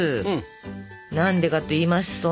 何でかっていいますと。